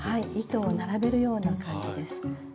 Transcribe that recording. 糸を並べるような感じです。